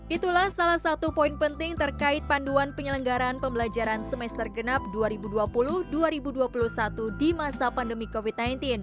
itulah salah satu poin penting terkait panduan penyelenggaran pembelajaran semester genap dua ribu dua puluh dua ribu dua puluh satu di masa pandemi covid sembilan belas